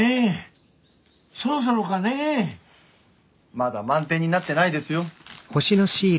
まだ満天になってないですよ。